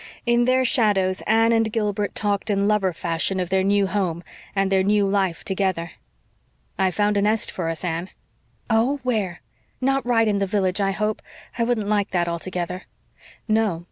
In their shadows Anne and Gilbert talked in lover fashion of their new home and their new life together. "I've found a nest for us, Anne." "Oh, where? Not right in the village, I hope. I wouldn't like that altogether." "No.